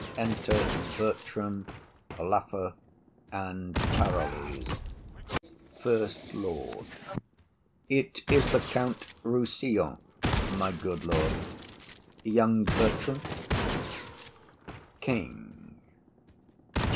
Enter Bertram, Lafew and Parolles. FIRST LORD. It is the Count Rossillon, my good lord, Young Bertram. KING.